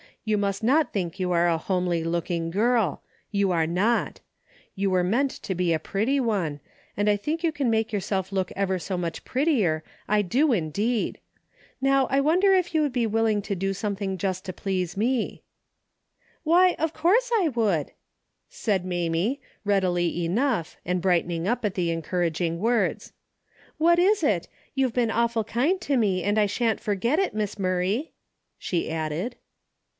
You must not think you are a homely looking girl. You are not. You Avere meant to be a pretty one, and I think you can make yourself look ever so much pret tier, I do indeed. How I wonder if you would be willing to do something just to please me." 240 A DAILY rate:' " Why of course I would !" said Mamie, readily enough and brightening up at the en couraging words. "What is it ? You've been awful kind to me and I sha'n't forget it, Miss Murray," she added.